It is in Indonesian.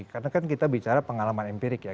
karena kan kita bicara pengalaman empirik ya